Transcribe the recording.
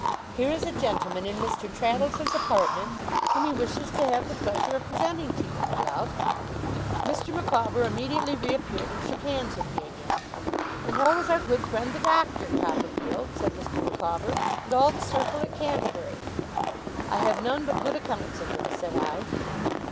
'Here is a gentleman in Mr. Traddles's apartment, whom he wishes to have the pleasure of presenting to you, my love!' Mr. Micawber immediately reappeared, and shook hands with me again. 'And how is our good friend the Doctor, Copperfield?' said Mr. Micawber, 'and all the circle at Canterbury?' 'I have none but good accounts of them,' said I.